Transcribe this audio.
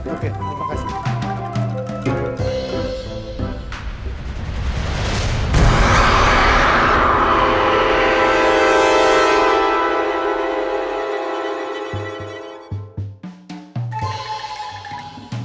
oke terima kasih